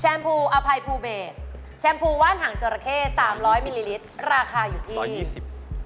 ภูอภัยภูเบสแชมพูว่านหางจราเข้สามร้อยมิลลิลิตรราคาอยู่ที่